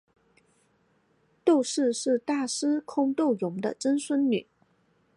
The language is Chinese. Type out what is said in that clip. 窦氏是大司空窦融的曾孙女。